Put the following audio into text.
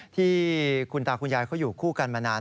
ที่คุณตาคุณยายเขาอยู่คู่กันมานาน